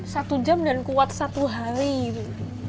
satu jam dan kuat satu hari gitu